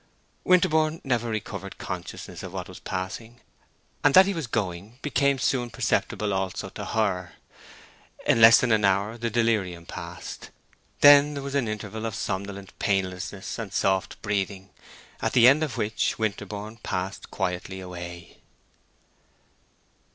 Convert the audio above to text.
Winterborne never recovered consciousness of what was passing; and that he was going became soon perceptible also to her. In less than an hour the delirium ceased; then there was an interval of somnolent painlessness and soft breathing, at the end of which Winterborne passed quietly away.